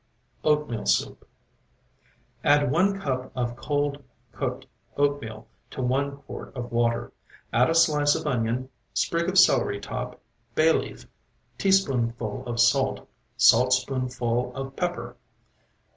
OATMEAL SOUP Add one cup of cold cooked oatmeal to one quart of water; add a slice of onion, sprig of celery top, bay leaf, teaspoonful of salt, saltspoonful of pepper.